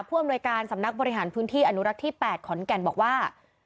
อำนวยการสำนักบริหารพื้นที่อนุรักษ์ที่๘ขอนแก่นบอกว่า